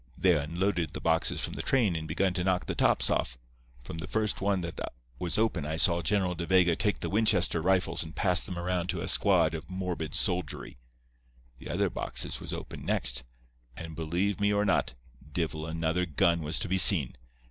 "They unloaded the boxes from the train and begun to knock the tops off. From the first one that was open I saw General De Vega take the Winchester rifles and pass them around to a squad of morbid soldiery. The other boxes was opened next, and, believe me or not, divil another gun was to be seen.